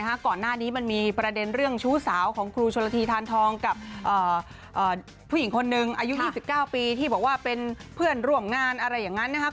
ก่อนหน้านี้มันมีประเด็นเรื่องชู้สาวของครูชนละทีทานทองกับผู้หญิงคนหนึ่งอายุ๒๙ปีที่บอกว่าเป็นเพื่อนร่วมงานอะไรอย่างนั้นนะครับ